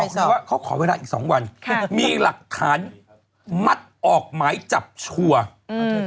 เลยว่าเขาขอเวลาอีกสองวันมีหลักฐานมัดออกหมายจับชัวร์